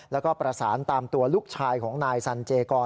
แล้วก็ประสานตามตัวลูกชายของนายสันเจกร